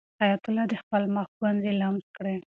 حیات الله د خپل مخ ګونځې لمس کړې.